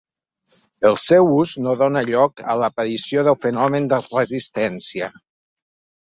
El seu ús no dóna lloc a l’aparició del fenomen de resistència.